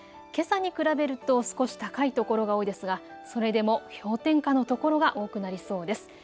けさに比べると少し高い所が多いですがそれでも氷点下の所が多くなりそうです。